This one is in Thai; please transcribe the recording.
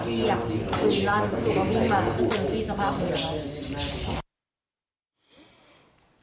เพราะว่าวิ่งมาเข้าเจอพี่สภาพเหมือนไร